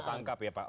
salah tangkap ya pak